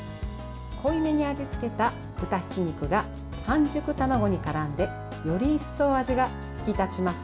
濃いめに味付けた豚ひき肉が半熟卵に絡んでより一層、味が引き立ちます。